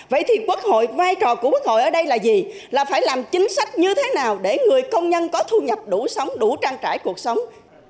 vậy thì quốc hội vai trò của quốc hội ở đây là gì là phải làm chính sách như thế nào để người công nhân có thu nhập đủ sống đủ trang trải cuộc sống